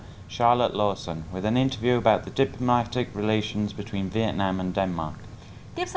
bà charlotte lawson về mối quan hệ ngoại giao giữa việt nam và đan mạch